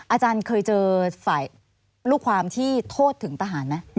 อาจารย์เคยเจอฝ่ายลูกความที่โทษถึงทหารไหม